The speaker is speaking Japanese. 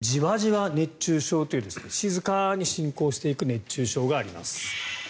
そして、じわじわ熱中症という静かに進行していく熱中症があります。